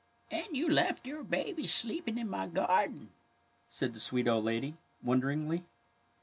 ^' And you left your babies sleeping in my garden! " said the sweet old lady, wonder ingly.